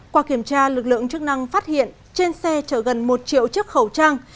qua kiểm tra lực lượng chức năng phát hiện trên xe chở gần một triệu chiếc khẩu trang